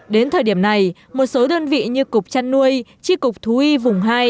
đến thời điểm này một số đơn vị như cục trăn nuôi chi cục thú y vùng hai